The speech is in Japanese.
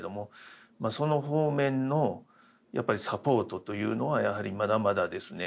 その方面のサポートというのはやはりまだまだですね